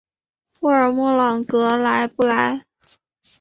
沃尔默朗格莱布莱。